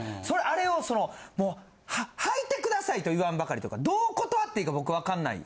あれをそのもう履いてくださいと言わんばかりとかどう断っていいか僕わかんない。